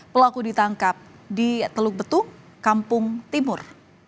pelaku ditangkap di teluk betung kampung timur